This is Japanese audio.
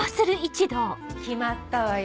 決まったわよ